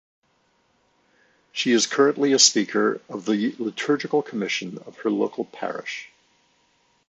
She is currently a speaker of the Liturgical Commission of her local parish.